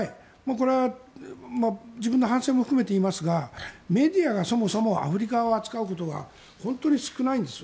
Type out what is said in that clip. これは自分の反省も含めて言いますがメディアがそもそもアフリカを扱うことが本当に少ないんですよ。